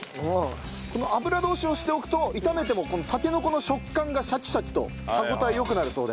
この油通しをしておくと炒めてもたけのこの食感がシャキシャキと歯応え良くなるそうで。